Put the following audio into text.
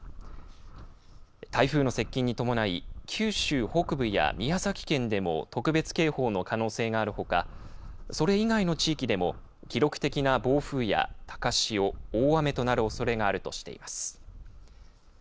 台風の接近に伴い九州北部や宮崎県でも特別警報の可能性があるほかそれ以外の地域でも記録的な暴風や高潮、大雨となるおそれがあるとしています。